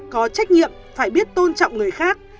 có trách nhiệm phải biết tôn trọng người khác